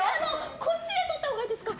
こっちでとったほうがいいですか？